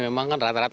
memang kan rata rata